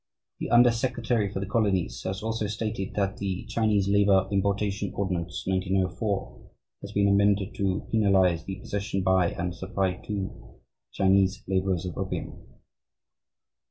"The under secretary for the colonies has also stated, 'that the Chinese Labour Importation Ordinance, 1904, has been amended to penalize the possession by, and supply to, Chinese labourers of opium.'"